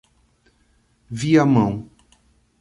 Viamão